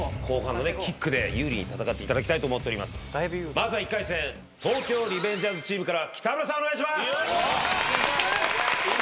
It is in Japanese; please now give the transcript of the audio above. まずは１回戦東京リベンジャーズチームからは北村さんお願いします。